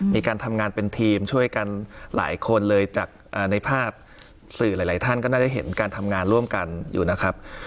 มีการทำงานเป็นทีมช่วยกันหลายคนเลยจากในภาพสื่อหลายท่านก็น่าจะเห็นการทำงานร่วมกันอยู่นะครับ